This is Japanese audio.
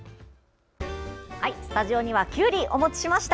スタジオには、きゅうりお持ちしました。